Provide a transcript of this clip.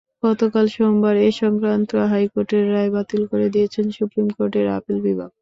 গতকাল সোমবার এ-সংক্রান্ত হাইকোর্টের রায় বাতিল করে দিয়েছেন সুপ্রিম কোর্টের আপিল বিভাগ।